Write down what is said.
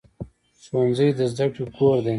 ښوونځی د زده کړې کور دی